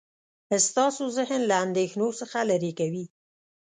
ستاسو ذهن له اندیښنو څخه لرې کوي.